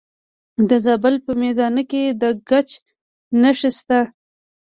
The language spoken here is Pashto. د زابل په میزانه کې د ګچ نښې شته.